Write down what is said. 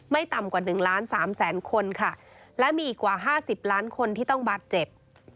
ต่ำกว่า๑ล้านสามแสนคนค่ะและมีอีกกว่า๕๐ล้านคนที่ต้องบาดเจ็บ